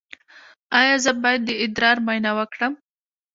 ایا زه باید د ادرار معاینه وکړم؟